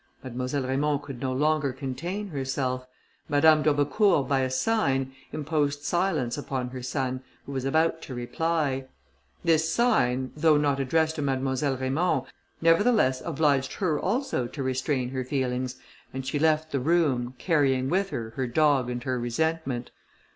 Mademoiselle Raymond could no longer contain herself. Madame d'Aubecourt, by a sign, imposed silence upon her son, who was about to reply. This sign, though not addressed to Mademoiselle Raymond, nevertheless obliged her also to restrain her feelings, and she left the room, carrying with her her dog and her resentment.